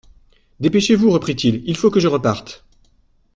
Dépêchez-vous, reprit-il, il faut que je reparte.